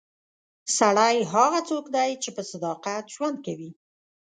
سړی هغه څوک دی چې په صداقت ژوند کوي.